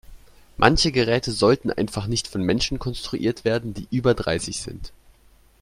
Manche Geräte sollten einfach nicht von Menschen konstruiert werden, die über dreißig sind.